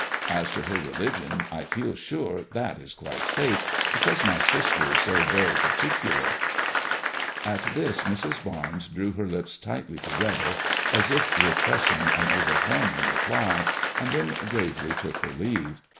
As to her religion, I feel sure that is quite safe, because my sister is so very par ticular." At this Mrs. Barnes drew her lips tightly together, as if re MADEMOISELLE IXE. 1 7 pressing an overwhelming reply, and then gravely took her leave.